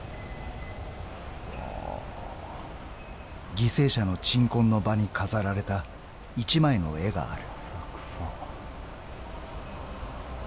［犠牲者の鎮魂の場に飾られた１枚の絵がある］